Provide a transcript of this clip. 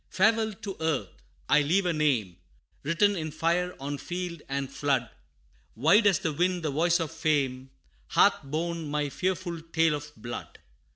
"Farewell to earth! I leave a name, Written in fire, on field and flood Wide as the wind, the voice of fame, Hath borne my fearful tale of blood.